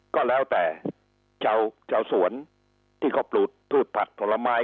ก็แล้วแต่ชาวสวนที่เขาปลูกพืชผักผลไม้